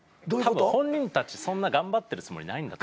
たぶん本人たちそんな頑張ってるつもりないんだと。